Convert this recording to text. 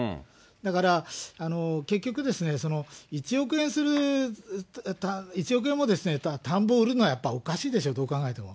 だから、結局、１億円する、１億円も田んぼを売るのはやっぱりおかしいでしょ、どう考えても。